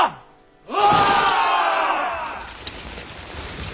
お！